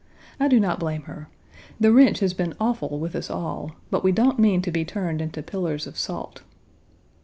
I do not blame her. The wrench has been awful with us all, but we don't mean to be turned into pillars of salt.